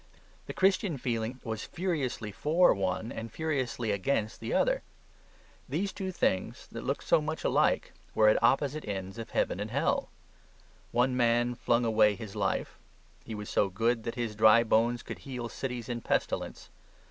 The Christian feeling was furiously for one and furiously against the other: these two things that looked so much alike were at opposite ends of heaven and hell. One man flung away his life; he was so good that his dry bones could heal cities in pestilence.